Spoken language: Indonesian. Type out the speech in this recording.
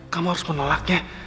kamu harus menolaknya